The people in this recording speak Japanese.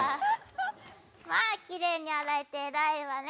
まあ、きれいに洗えてえらいわね。